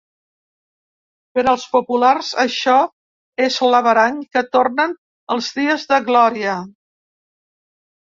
Per als populars això és l’averany que tornen els dies de glòria.